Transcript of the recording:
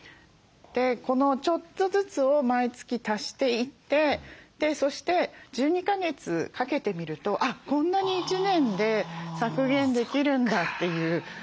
このちょっとずつを毎月足していってそして１２か月かけてみるとこんなに１年で削減できるんだっていう。